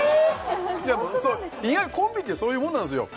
いやもうコンビってそういうもんなんですよ